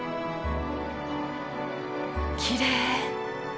きれい。